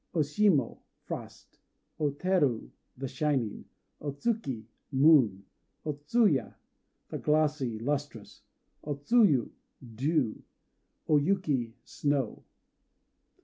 O Shimo "Frost." O Teru "The Shining." O Tsuki "Moon." O Tsuya "The Glossy," lustrous. O Tsuyu "Dew." O Yuki "Snow."